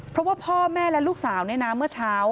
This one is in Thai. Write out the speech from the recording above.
เพราะว่าพ่อแม่และลูกสาวเนี่ยนะเมื่อเช้า